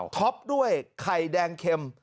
็อปด้วยไข่แดงเข็ม